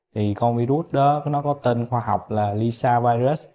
thì con virus đó nó có tên khoa học là lisa paris